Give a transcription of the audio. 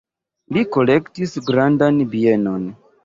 Li kolektis grandan bienon.